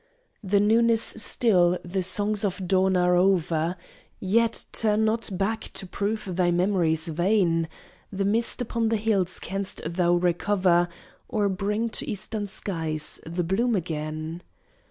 The noon is still; the songs of dawn are over; Yet turn not back to prove thy memories vain. The mist upon the hills canst thou recover, Or bring to eastern skies the bloom again?